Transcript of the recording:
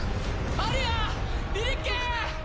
・アリヤリリッケ！